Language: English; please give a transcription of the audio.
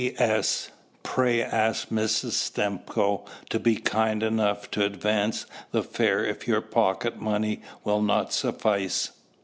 "P.S. Pray ask Mrs. Stimcoe to be kind enough to advance the fare if your pocket money will not suffice."